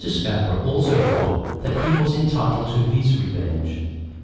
Scarborough also thought that he was entitled to his revenge.